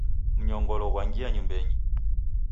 Mnyongolo ghwangia nyumbeni.